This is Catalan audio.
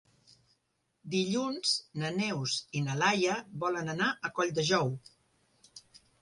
Dilluns na Neus i na Laia volen anar a Colldejou.